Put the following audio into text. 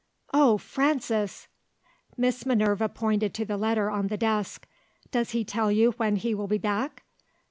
"Oh, Frances!" Miss Minerva pointed to the letter on the desk. "Does he tell you when he will be back?"